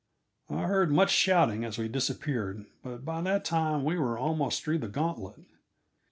I heard much shouting as we disappeared, but by that time we were almost through the gantlet.